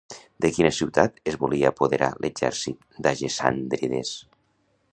De quina ciutat es volia apoderar l'exèrcit d'Agesàndrides?